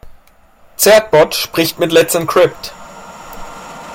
Certbot spricht mit Let's Encrypt.